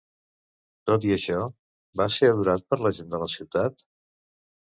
Tot i això, va ser adorat per la gent de la ciutat?